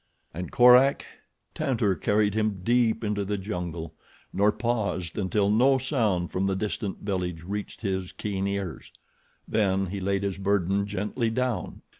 And Korak? Tantor carried him deep into the jungle, nor paused until no sound from the distant village reached his keen ears. Then he laid his burden gently down.